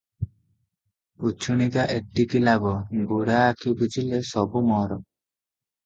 ଉଛୁଣିକା ଏତିକି ଲାଭ, ବୁଢ଼ା ଆଖି ବୁଜିଲେ ସବୁ ମୋର ।